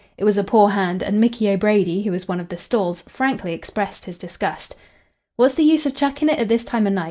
It was a poor hand, and Micky O'Brady, who was one of the "stalls," frankly expressed his disgust. "What's the use of chucking it at this time o' night?